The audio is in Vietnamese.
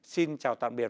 xin chào tạm biệt